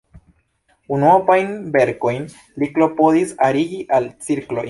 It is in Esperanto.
Unuopajn verkojn li klopodis arigi al cikloj.